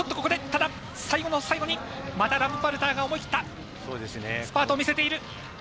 最後の最後にラムパルターが思い切ったスパートを見せている。